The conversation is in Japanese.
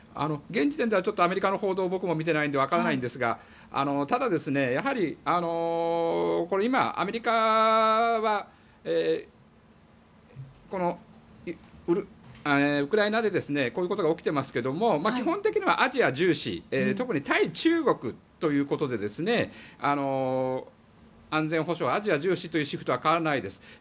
現時点ではアメリカの報道を僕も見ていないんでわからないんですがただ、やはり今、アメリカはウクライナでこういうことが起きてますけども基本的にはアジア重視特に対中国ということで安全保障、アジア重視というシフトは変わらないです。